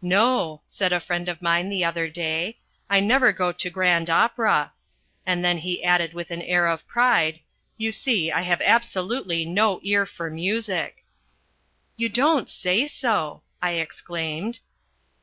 "No," said a friend of mine the other day, "I never go to Grand Opera," and then he added with an air of pride, "You see, I have absolutely no ear for music." "You don't say so!" I exclaimed.